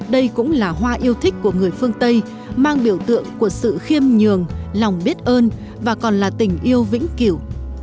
đây cũng là hoa yêu thích của người phương tây mang biểu tượng của sự khiêm nhường lòng biết ơn và còn là tình yêu vĩnh cửu